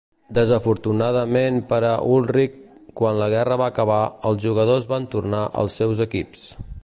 Desafortunadament per a Ullrich, quan la guerra va acabar, els jugadors van tornar als seus equips.